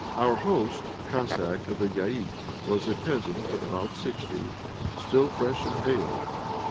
Our host, a Cossack of the Yaïk, was a peasant of about sixty, still fresh and hale.